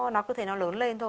nó cứ thấy nó lớn lên thôi